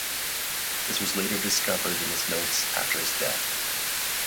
This was later discovered in his notes after his death.